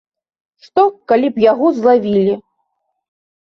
Што, калі б яго злавілі!